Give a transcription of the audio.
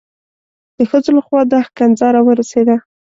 د ښځو لخوا دا ښکنځا را ورسېده.